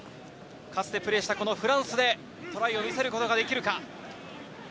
かつてプレーしたフランスでトライを見せることができるか。